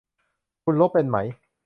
คุณลบเป็นมั้ย